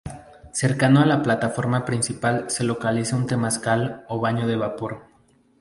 Cercano a la plataforma principal se localiza un temazcal o baño de vapor.